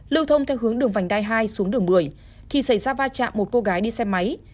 lưu thông theo hướng đường vành đai hai xuống đường một mươi khi xảy ra va chạm một cô gái đi xe máy